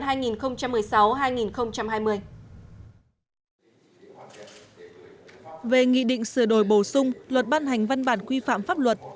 về nghị định sửa đổi bổ sung luật ban hành văn bản quy phạm pháp luật